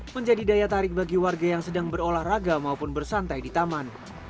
menjadi daya tarik bagi warga yang sedang berolahraga maupun bersantai di taman